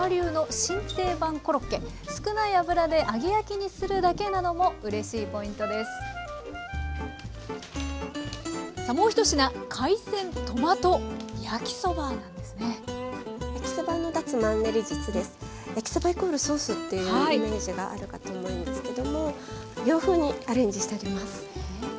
焼きそばイコールソースっていうイメージがあるかと思うんですけども洋風にアレンジしてあります。